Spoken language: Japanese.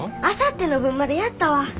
あさっての分までやったわ。